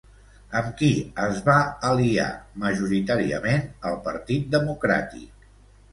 Amb qui es va aliar, majoritàriament, el partit democràtic?